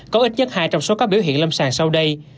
có ít nhất hai trong số các biểu hiện lâm sàng sau đây